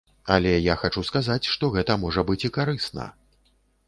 Але я хачу сказаць, што гэта можа быць і карысна.